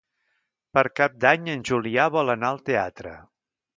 Per Cap d'Any en Julià vol anar al teatre.